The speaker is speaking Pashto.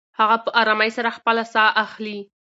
هغه په ارامۍ سره خپله ساه اخلې.